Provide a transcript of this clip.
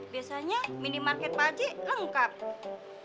biasanya minimarket pak haji lengkap